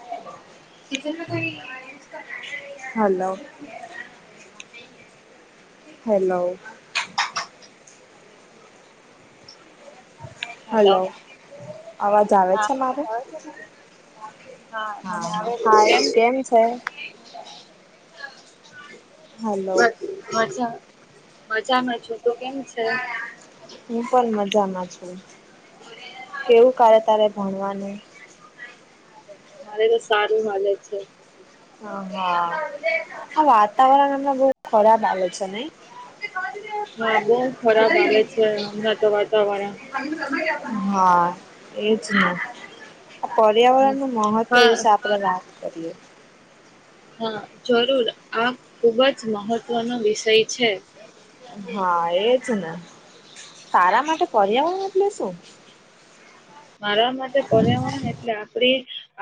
[inaudible] Hello hello hello hello, અવાજ આવે હા છે મારો? છે ને મને હા આવે છે હા એ કેમ છે? હલો. મજા મજામાં છું તું કેમ છે? હું પણ મજામાં છું કેવું કરે તારે ભણવાનું મારે તો સારું હાલે છે. હ હા આ વાતાવરણ હમણાં બહુ ખરાબ હાલે છે. [unintelligible] હા બઉ ખરાબ હાલે છે હમણાં તો વાતાવરણ [inaudible] હા એજ ને આ હમ પર્યાવરણ નું મહત્વ હા વિશે આપણે વાત કરીએ. હા જરૂર આ ખુબ જ મહત્વનો વિષય છે. હા એજ ને તારા માટે પર્યાવરણ એટલે શું? મારા માટે પર્યાવરણ એટલે આપડી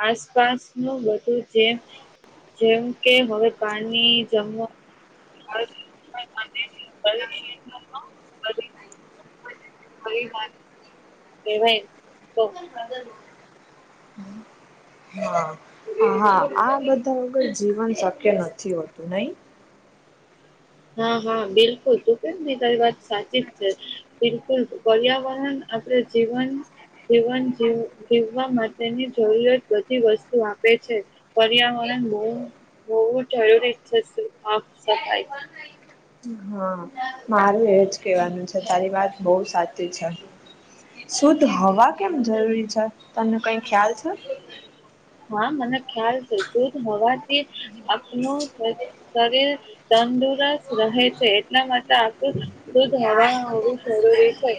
આસપાસનું બધું જે જેમ કે હવે પાની જમવા [unintelligible] [unintelligible] કેવાય [unintelligible] હા હા આ બધા વગર જીવન શક્ય નથી હોતું નહી હા હા બિલકુલ તું કેમ ને તારી વાત સાચી જ છે બિલકુલ પર્યાવરણ આપડે જીવન જીવન જીવ જીવવા માટેની જરૂરિયાત બધી વસ્તુ આપે છે. પર્યાવરણ બહુ બહુ જરૂરી છે સાફ સફાઈ હા. મારું એજ કેવાનું છે તારી વાત બહુ સાચી છે. શુદ્ધ હવા કેમ જરૂરી છે તમને કઈ ખ્યાલ છે. હા મને ખ્યાલ છે દૂધ હોવાથી આપનું શરીર તંદુરસ્ત રહે છે એટલા માટે આપણે શુદ્ધ હવા હોવી જરૂરી છે.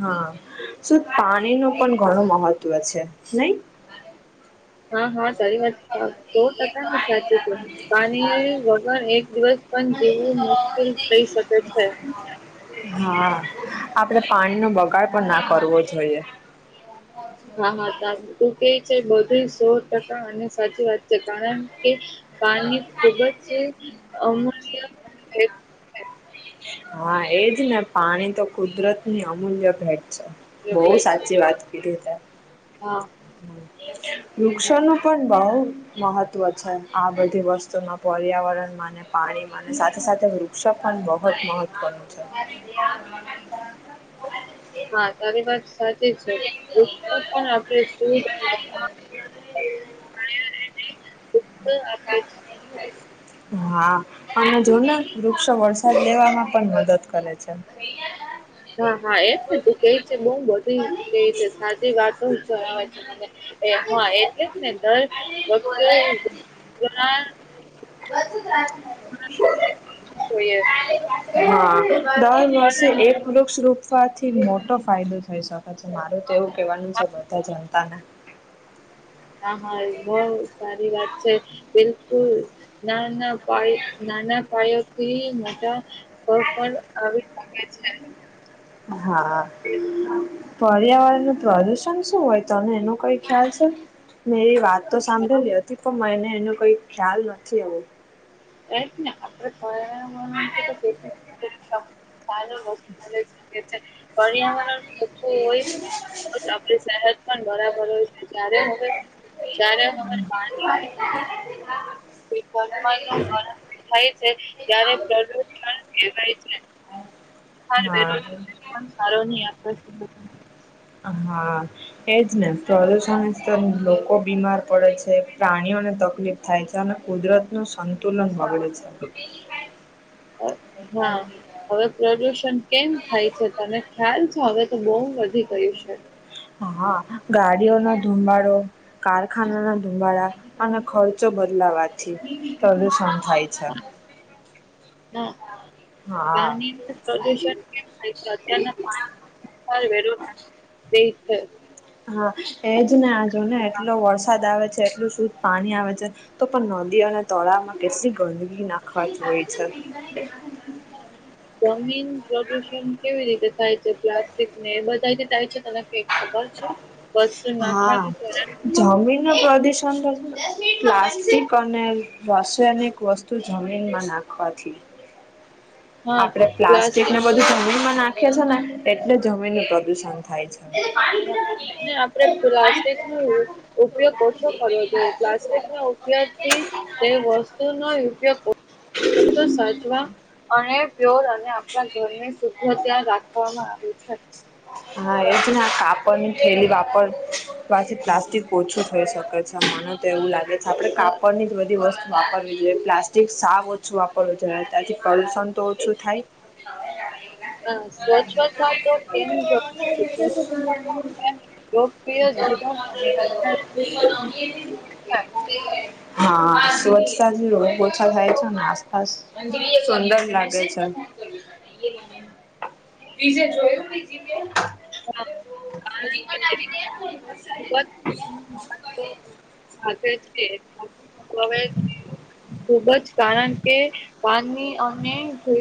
હા શું પાણી નું પણ ઘણું મહત્વ છે નઈ હા હા તારી વાત સો ટકા ની સાચી છે. પાણી વગર એક દિવસ પણ જીવવું મુશ્કેલ થઈ શકે છે. હા આપડે પાણીનો બગાડ પણ ના કરવો જોઈએ. હા હા તા તું કેય છે બધુંય સો ટકા અને સાચી વાત છે કારણ કે પાની ખુબ જ અમૂલ્ય ભેટ હા એજ ને પાણી તો કુદરતની અમૂલ્ય ભેટ છે. બઉ ભેટ છે સાચી વાત કીધુ તે હા. વૃક્ષોનું પણ બઉ મહત્વ છે આ બધી વસ્તુમાં પર્યાવરણ માને પાણીમાંને સાથે સાથે વૃક્ષો પણ બોહ જ મહત્વનું છે. હા તારી વાત સાચી છે વૃક્ષો પણ આપણે સુધ હવા [inaudible] વૃક્ષો આપે છ હા અને જો ને વૃક્ષો વરસાદ લેવામાં પણ મદદ કરે છે. હા હા એજ ને તું કેય છે બોઉ બધી કેવી છે સાચી વાતો જણાવે છે મને એ હ એટલે જ ને દર વકતે ઘણા [unintelligible] રહેવું જોઈએ હા. દર લોકોને વર્ષે એક વૃક્ષ રોપવાથી મોટો ફાયદો થઈ શકે છે મારો તો એવું કેવાનું છે હા બધા જનતાને હા હા એ બઉ સારી વાત છે બિલકુલ. ના ના પાયો, નાના પાયોથી મોટા પગ પર આવી શકે છે. હા. પર્યાવરણનું પ્રદુષણ શું હોય તને એનો કઈ ખ્યાલ છે? મેરી વાત તો સાંભળેલીયો અતી પણ મને એનો કઈ ખ્યાલ નથી એવો. એ જ ને આપડે પર્યાવરણથી તો કેટલું [unintelligible] [unintelligible] પરિયાવરણ [unintelligible] હોય છે તોજ આપણી સેહત પણ બરાબર હોય છે જ્યારે હવે જ્યારે હવે પાણી [unintelligible] થાય છે ત્યારે પ્રદૂષણ કહેવાય છે. હર હા બરોજગાર પણ સારો ની [unintelligible] હા. એજ ને પ્રદુષણ સ્તર લોકો બીમાર પડે છે, પ્રાણીઓને તકલીફ થાય છે અને કુદરતનું સંતુલન બગડે છે. હા, હા. હવે પ્રદુષણ કેમ થાય છે તને ખ્યાલ છે? હવે તો બહું વધી ગયું છે. હા, ગાડીઓના ધુમાડો, કારખાનાના ધુમાડા અને ખર્ચો બદલાવાથી પ્રદુષણ થાય છે ના, હા પાણીનું પ્રદુષણને નઈતો અત્યારના પાણી વેરો નાખી દેય છે હા, એજ ને આ જો ને એટલો વરસાદ આવે છે એટલું શુદ્ધ પાણી આવે છે તો પણ નદી અને તળામાં ગેસલી ગંદગી નાખવાતી હોય છે. જમીન પ્રદુષણ કેવી રીતે થાય છે? પ્લાસ્ટિક ને એ બધાયથી થાય છે તને એ ખબર છે વસ્તુ નાખવાની જરાક નું પ્રદુષણ પ્લાસ્ટિક અને રસાયનિક વસ્તુ જમીનમાં નાખવાથી હા આપડે પ્લાસ્ટિક ને નો બધું જમીનમાં નાખીએ છીએ ન એટલે જમીનનું પ્રદુષણ થાય છે. ને આપડે પ્લાસ્ટિકનું ઉપયોગ ઓછો કરવો જોઈએ પ્લાસ્ટિકના ઉપયોગથી તે વસ્ તુ નો ઉપયોગ [unintelligible] સાચવા અને પ્યોર અને આપણા ઘરને શુભ્યચાર રાખવામાં આવે છે. હા એજ ના કાપડની થેલી વાપર વાથી પ્લાસ્ટિક ઓછું થઈ શકે છે મને તો એવું લાગે છે આપે અ, કાપડની જ બધી વસ્તુ વાપરવી જોઈએ પ્લાસ્ટિક સાવ ઓછું વાપરવું જોઈએ ત્યાંથી પ્રદૂષણ તો ઓછું થાય. હમ્મ, સ્વચ્છવથા તો આપણા લોકપ્રિય જીવન અને [unintelligible] હા. હા, સ્વચ્છતા થી રોજ ઓછા થાય છે ને આસપાસ સુંદર લાગે છે. બીજે જોયું હજી પણ [unintelligible] લોકો આપે છે [unintelligible] તો હવે ખુબ જ કારણ કે પાનની અમેં [unintelligible]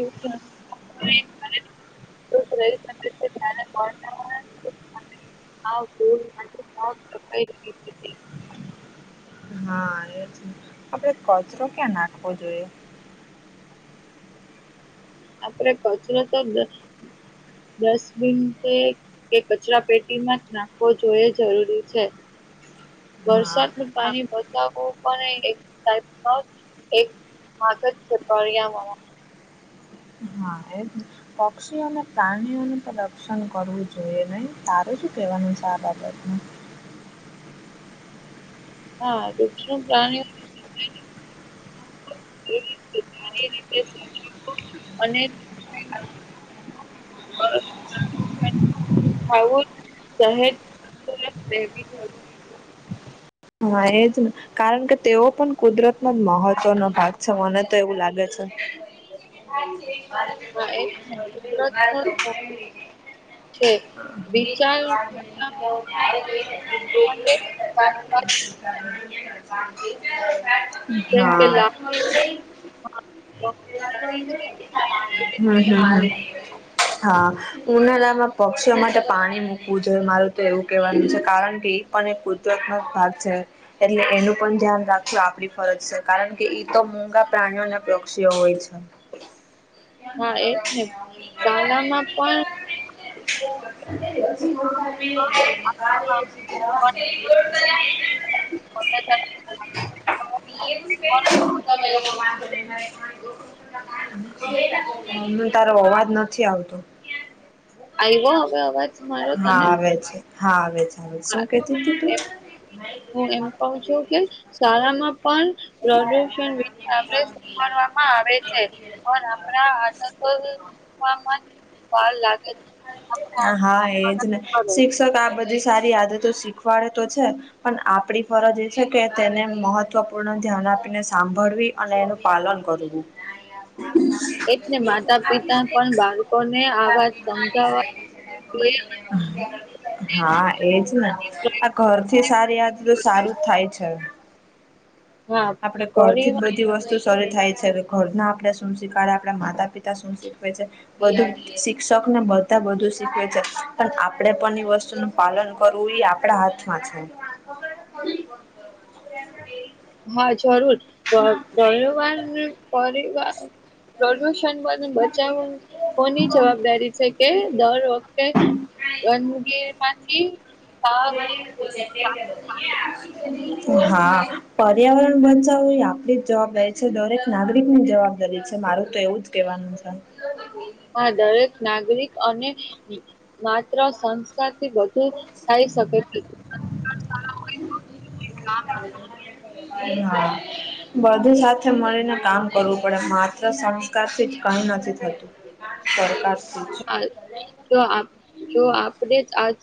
[inaudible] આવજો [unintelligible] આવજો, બાય બાય હા એજ ને આપડે કચરો ક્યાં નાખવો જોઈએ? આપડ કચરો તો ડસ્ ડસ્ટબિનપે કે કચરા પેટીમાં જ નાખવો જોઈએ જરૂરી છે. હ વરસાદનું પાણી બતાવ વુ પણ એ એક [unintelligible] એક આદત છે [unintelligible] હા એજ. પક્ષીઓ અને પ્રાણીઓને પણદશન કરવું જોઈએ નહી તારું શું કેહેવાનું છે આ બાબતમાં? હા વૃક્ષ, પ્રાણી [inaudible] અને [inaudible] અ હોવું [unintelligible] હા એજ ને કારણ કે તેઓ પણ કુદરતનો જ મહત્વનો ભાગ છે મને તો એવું લાગે છે. [inaudible] હા એ જ ને કુદરતનો ધોરણો છે વિચાર કરવા માટે સારી [inaudible] વાત જેમ કે હા. લાકડું, ઘૂંટણની છે, એ જરૂરી હમ્મ છે ને. હમ્મ હા. ઉનાળામાં પક્ષીઓ માટે પાણી મૂકવું જોઈએ મારું તો એવું કહેવાનું છે કારણ કે એ પણ એક કુદરતમાં ભાગ છે. એટલે એનું પણ ધ્યાન રાખજ આપડી ફરજ છે. કારણ કે ઈ તો મુગા પ્રાણીઓ અને પક્ષીઓ હોય છે. હા એજ ને શાલામાં પણ [inaudible] [inaudible] [inaudible] [unintelligible] તારો અવાજ નથી આવતો. આવ્યો હવે અવાજ મારો હા તને આવે છે, હા આવે છે, હા શું કેતી તું તું? એમ હું એમ કઉ છું કે શાળામાં પણ પ્રદુષણ વિશ આપણે કરવામાં આવે છે પણ આપણા આટ વાર લાગે છે હા એજ ને [inaudible] શિક્ષક આ બધી સારી આદતો શીખવાડે તો છે પણ આપડી ફરજ એ છે કે તેને મહત્વપૂર્ણ ધ્યાન આપીને સાંભળવી અને એનું પાલન કરું છું. એટલે માતા પિતા પણ બાળકોને આ વાત સમજાવવા [inaudible] જોઈએ હા એજ ને ઘર થી સારી આદ તો સારું થાય છે. હા આપડે ઘરથી જ પરિવાર બધી વસ્તુ સરૂ થાય છે ઘરના આપણે શું શીખડ આપણા માતા પિતા શું શીખવાવે છે? બધું શિક્ષક ને બધા બધું શીખવે છે પણ આપડે પણ એ વસ્તુ પાલન કરવું એ આપડા હાથમાં છે. હા જરૂર પરીવારને પરિવાર પ્રદુષણ [unintelligible] બચાવું કોની જવાબદારી છે? કે દર વખતે હા ગદકી માંથી [unintelligible] [inaudible] હા પર્યાવરણ બચાવું એ આપડી જ જવાબદારી છે, દરેક નાગરિક ની જવાબદારી છે. મારું તો એવું જ કહેવાનું છે. દરેક નાગરિક અને માત્ર સંસ્કાર થી બધુ થાય શકે છે. [inaudible] હા. બધી સાથે મળીને કામ કરવું પડે માત્ર સંસ્કારથી જ કઈ નથી થતું. સરકારથી જ જો જો આપ જો આપણેે જ આજ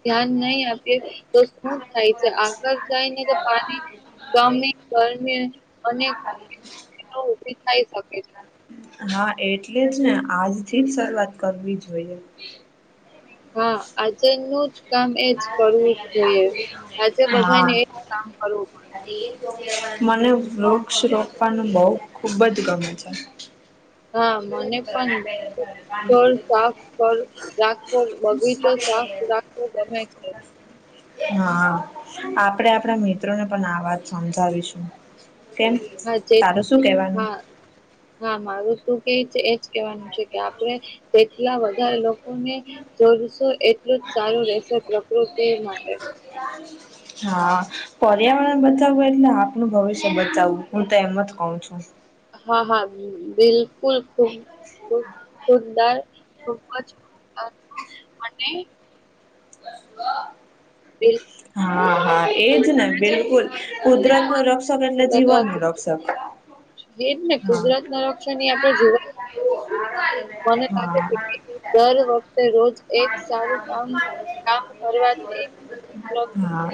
ધ્યાન નહી આપીએ તો શું થાય છે આગળ જાય ને તો પાણી ગમી ગરમી અને ઉભી થાય શકે છે હા એટલે જ ને આજથી જ શરૂઆત કરવી જોઈએ. હા આજે નું જ કામ એજ કરવું જ જોઈએ આજે બધાય ને હા. એજ કામ કરવું પડે. મને વૃક્ષ રોપવાનું બહ ખુબ જ ગમે છે. હા મને પણ સાફ કર રાખવો બગીચો સાફ રાખ. ઓ. હા આપડે આપણા મિત્રોને પણ આ વાત સમજાવીશું. કેમ હા જે તારું શું કેવાનું. હા હા મારું તું કે એજ કેવાનું છે કે આપડે. તેટલા વધારે લોકોને જોડશો એટલું જ સારું રહેશે પ્રકૃતિ માટે. આ. હા પર્યાવરણ બચાવવું એટલે આપનુંું ભવિષ્ય બચાવવું હું તો એમ જ કઉ છું. હા હા બિલકુલ ખુબ. સુંદર ખૂબજ અને. વાહ. હા હા એજ ને બિલકુલ કુદરત નું રક્ષક એટલે જીવન નું રક્ષક. હેજ ને સફ. કુદરત ના રક્ષણ ની આપણે હા જીવન મને લાગે છે હા. કે દર વખતે રોજ એક સારું કામ કામ કરવાથી. હા.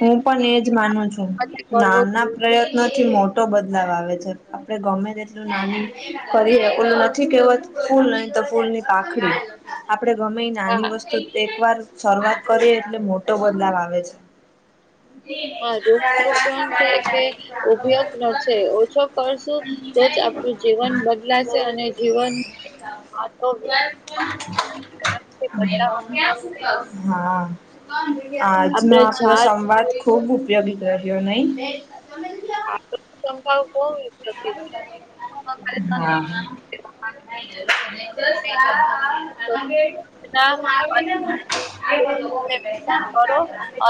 હું પણ એજ માનું છું કરવું નાના જોઈએ પ્રયત્નોથી મોટ. મોટો બદલાવ આવે છે આપણે ગમે તેટલું નાની કરીએ એલું નથી કેવુંત. ફૂલ નહી તો ફૂલની પાખડી. આપડે ગમે એ નાની હા વસ્તુ એક વાર શરૂઆત કરીએ. મોટો બદલાવ આવે છે. હા વૃક્ષોપણ છે કે ઉભયોગ છે ઓછો કરશું તો જ આપડું. જીવન બદલાશે અને જીવનતો. હા આજનો આપણે આપલો ઝાડ સંવાદ. ખૂબ ઉપયોગી કર્યો નહી. હા. બહ. [inaudible] તો ના અને આવીને વૃક્ષને આવી વિતરણ કરો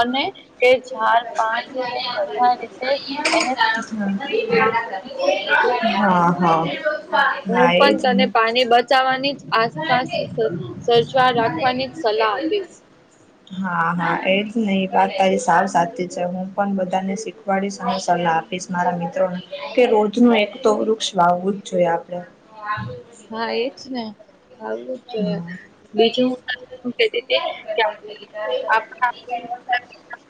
અને તે ઝાડ પાન [inaudible] છે બધા રીતે હ એને હા હા જરૂર છે. [inaudible] હું ના, એ પણ જ તને ને. પાણી બચાવવાની જ આસપાસ સર્જવા રાખવાની સલાહ આપીસ. હા હા કઈ નઈ એ વાત તારી વાત સાચી છે હું પણ બધા ને શીખ. સલાહ આપીશમારા મિત્રોને. કે રોજ નુ એક તો વૃક્ષ વાવવું જ જોઈએ આપડે હા એ જ ને. વાવું જોઇ એ બીજું શું. સર.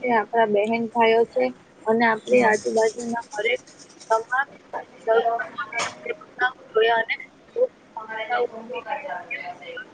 જે આપણા બહેન ભાઈઓ છે. અને આપણી આજુબાજુના હરેક તમામ. પ [unintelligible] ના જોયા અને. [unintelligible]